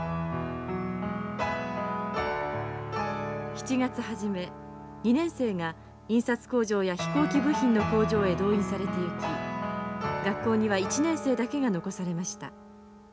７月初め２年生が印刷工場や飛行機部品の工場へ動員されていき学校には１年生だけが残されました。